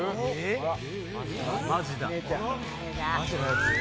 マジだ。